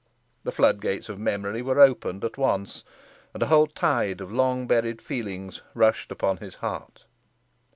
The flood gates of memory were opened at once, and a whole tide of long buried feelings rushed upon his heart.